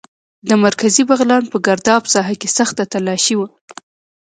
د مرکزي بغلان په ګرداب ساحه کې سخته تالاشي وه.